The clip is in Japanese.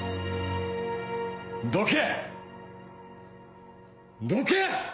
どけ！